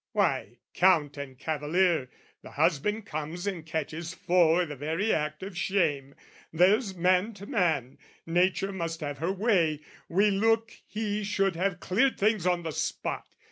"Why, Count and cavalier, the husband comes "And catches foe i' the very act of shame: "There's man to man, nature must have her way, "We look he should have cleared things on the spot.